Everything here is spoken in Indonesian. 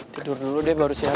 tidur dulu deh baru siang